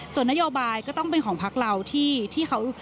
ส่วนนโยบายก็ต้องเป็นของพักเราที่เขา